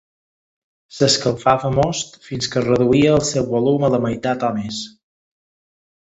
S'escalfava most fins que es reduïa el seu volum a la meitat o més.